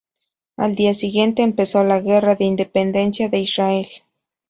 Al día siguiente empezó la Guerra de independencia de Israel.